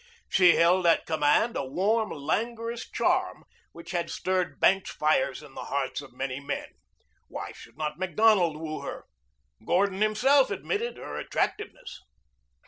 She held at command a warm, languorous charm which had stirred banked fires in the hearts of many men. Why should not Macdonald woo her? Gordon himself admitted her attractiveness.